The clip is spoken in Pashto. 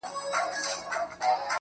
که په ژړا کي مصلحت وو، خندا څه ډول وه.